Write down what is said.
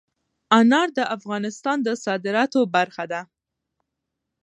انار د افغانستان د صادراتو برخه ده.